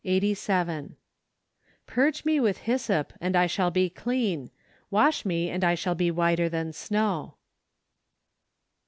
Eighty Seren. " Purge me with hyssop , and I shall be clean: wash me, and I shall be whiter than snow